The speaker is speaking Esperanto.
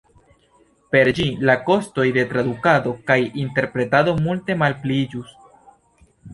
Per ĝi, la kostoj de tradukado kaj interpretado multe malpliiĝus.